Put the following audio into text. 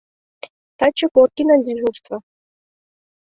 Таче Горкинан дежурство.